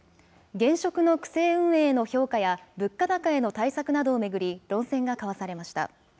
現職の区政運営への評価や物価高への対策などを巡り論戦が交わされました。